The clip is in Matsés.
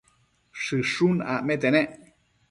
Shëshun acmete nec